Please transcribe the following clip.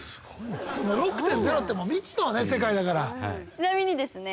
ちなみにですね